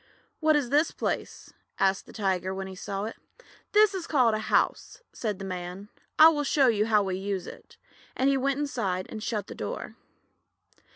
"What is this place?" asked the Tiger, when he saw it. "This is called a house," said the Man. "I will show you how we use it," and he went inside and shut the door.